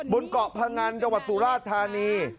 บนเกาะพงันจังหวัดสุราชธานี